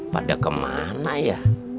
pada kemana ya